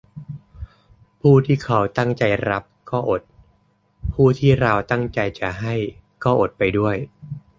ผู้ที่เขาตั้งใจรับก็อด ผู้ที่เราตั้งใจจะให้ก็อดไปด้วย